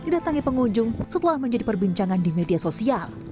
dan juga dikementerik alex steve